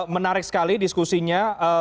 menarik sekali diskusinya